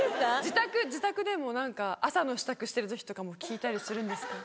自宅でも朝の支度してる時とかも聴いたりするんですか？